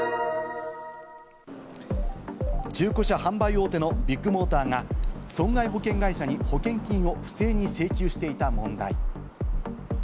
中古車販売大手のビッグモーターが損害保険会社に保険金を不正に請求していた問題。